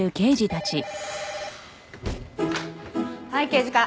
はい刑事課。